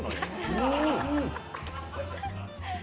うん！